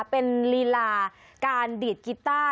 เป็นลีลาการดีดกีต้า